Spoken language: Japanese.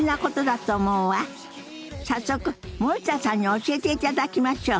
早速森田さんに教えていただきましょう。